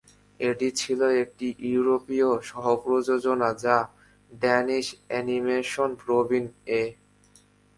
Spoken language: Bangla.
এটি ছিল একটি ইউরোপীয় সহ-প্রযোজনা যা ড্যানিশ অ্যানিমেশন প্রবীণ এ.